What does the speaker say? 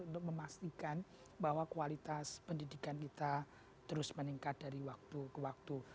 untuk memastikan bahwa kualitas pendidikan kita terus meningkat dari waktu ke waktu